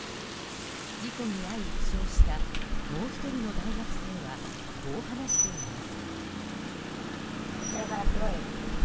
事故に遭い負傷したもう１人の大学生はこう話しています。